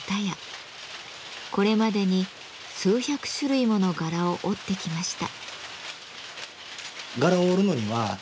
これまでに数百種類もの柄を織ってきました。